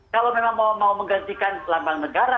kalau memang mau menggantikan lambang negara